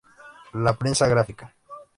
La Prensa Gráfica.